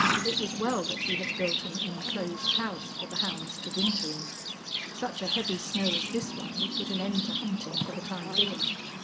It was well that he had built an inclosed house for the hounds to winter in. Such a heavy snow as this one would put an end to hunting for the time being.